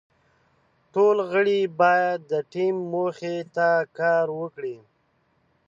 ټول غړي باید د ټیم موخې ته کار وکړي.